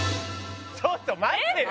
ちょっと待ってよ。